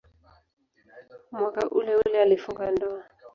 Mwaka uleule alifunga ndoa.